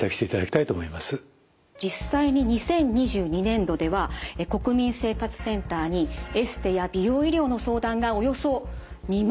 実際に２０２２年度では国民生活センターにエステや美容医療の相談がおよそ２万６，０００件寄せられました。